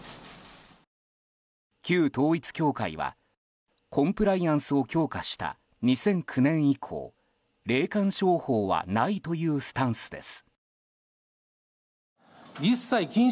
旧統一教会はコンプライアンスを強化した２００９年以降、霊感商法はないというスタンスです。